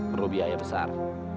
perlu biaya besar